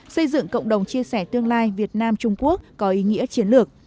xây dựng cộng đồng chia sẻ tương lai việt nam trung quốc có ý nghĩa chiến lược